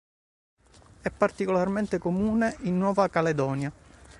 È particolarmente comune in Nuova Caledonia.